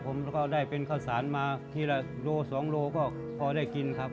ผมแล้วก็ได้เป็นข้าวสารมาทีละโล๒โลก็พอได้กินครับ